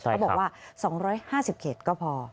บอกว่า๒๕๐เขตก็พอ